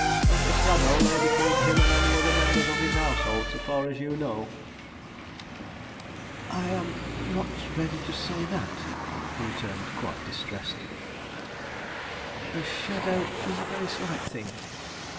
"Not a shadow lay between him and any other member of his household, so far as you know?" "I am not ready to say that," he returned, quite distressed. "A shadow is a very slight thing.